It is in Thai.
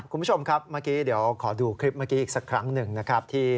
คุณผู้ชมครับเดี๋ยวขอดูคลิปอีกสักครั้งหนึ่งนะครับ